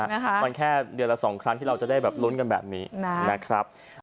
มันแค่เดือนละสองครั้งที่เราจะได้แบบลุ้นกันแบบนี้นะครับ